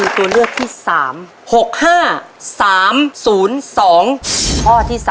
และตัวเลือกที่ถูกต้องก็คือตัวเลือกที่๓